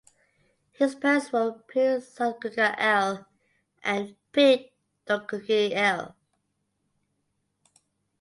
His parents were Pu Satkunga(L) and Pi Dokungi(L).